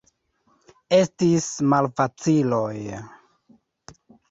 Estis malfaciloj.